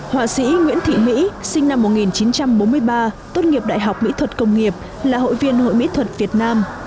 họa sĩ nguyễn thị mỹ sinh năm một nghìn chín trăm bốn mươi ba tốt nghiệp đại học mỹ thuật công nghiệp là hội viên hội mỹ thuật việt nam